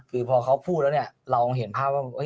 คือพอเขาพูดแล้วเนี่ยเราเห็นภาพว่า